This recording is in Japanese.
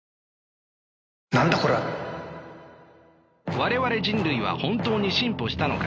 我々人類は本当に進歩したのか。